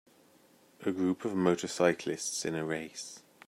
A group of motorcyclists in a race.